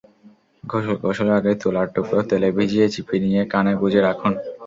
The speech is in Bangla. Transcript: গোসলের আগে তুলার টুকরা তেলে ভিজিয়ে চিপে নিয়ে কানে গুঁজে রাখুন।